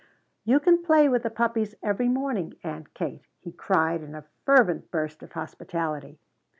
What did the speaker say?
"She can play with the puppies every morning, Aunt Kate," he cried in a fervent burst of hospitality.